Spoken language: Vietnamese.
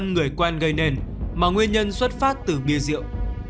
người quen gây nên mà nguyên nhân xuất phát từ bia rượu